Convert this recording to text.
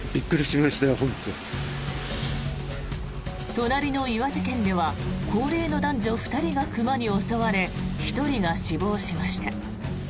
隣の岩手県では高齢の男女２人が熊に襲われ１人が死亡しました。